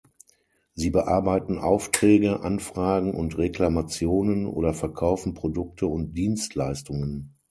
Sie bearbeiten Aufträge, Anfragen und Reklamationen oder verkaufen Produkte und Dienstleistungen.